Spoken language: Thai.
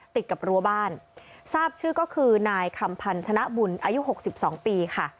ติดกับรั้วบ้านทราบชื่อก็คือนายคำพันธ์ชนะบุญอายุ๖๒ปีค่ะ